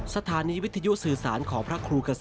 สถานีวิทยุสื่อสารของพระครูเกษม